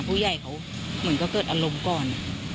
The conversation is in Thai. ผู้ใหญ่เขาเหมือนก็เกิดอารมณ์ก่อน